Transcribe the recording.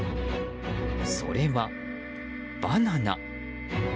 それは、バナナ。